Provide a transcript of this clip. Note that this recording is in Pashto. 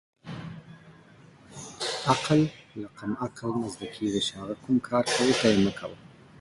عقل له قمعل نه زدکیږی چی هغه کوم کار کوی ته یی مه کوه